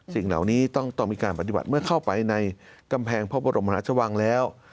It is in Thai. สิ่งเหล่านี้ต้องมีการปฏิบัติเมื่อเข้าไปในกำแพงพระบรมมหาชวังแล้ว